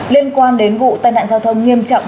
liên quan đến vụ tai nạn giao thông nghiêm trọng